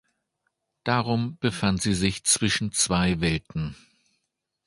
Darum befand sie sich zwischen zwei Welten.